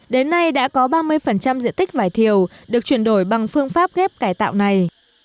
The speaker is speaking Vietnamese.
đến nay đã có ba mươi diện tích vải thiều được chuyển đổi bằng phương pháp ghép cải tạo này